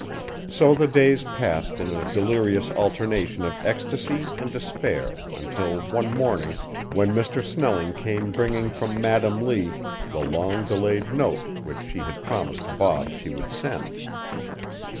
So the days passed in a delirious alternation of ecstasy and despair until one morning when Mr. Snelling came bringing from Madam Lee the long delayed note which she had promised Bob she would send.